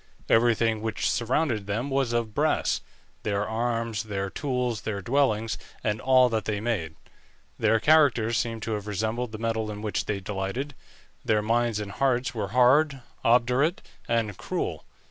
Everything which surrounded them was of brass; their arms, their tools, their dwellings, and all that they made. Their characters seem to have resembled the metal in which they delighted; their minds and hearts were hard, obdurate, and cruel.